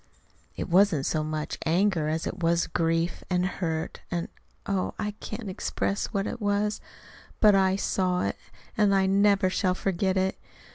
"It wasn't so much anger as it was grief and hurt and oh, I can't express what it was. But I saw it; and I never shall forget it.